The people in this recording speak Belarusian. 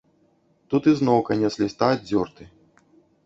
Тут ізноў канец ліста аддзёрты.